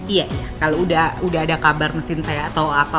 iya iya kalau udah ada kabar mesin saya atau apapun saya kasih